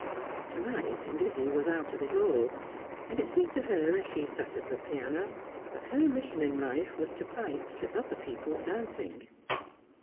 To night Lizzie was out of it all : and it seemed to her, as she sat at the piano, that her mission in life was to pipe to other people's dancing.